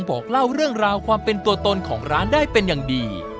บอกเล่าเรื่องราวความเป็นตัวตนของร้านได้เป็นอย่างดี